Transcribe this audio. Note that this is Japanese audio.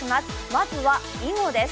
まずは、囲碁です。